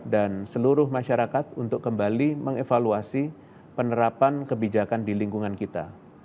dan seluruh masyarakat untuk kembali mengevaluasi penerapan kebijakan di lingkungan kita